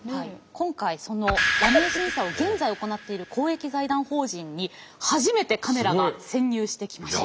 今回その馬名審査を現在行っている公益財団法人に初めてカメラが潜入してきました。